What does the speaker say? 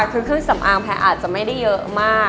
คือเครื่องสำอางแพ้อาจจะไม่ได้เยอะมาก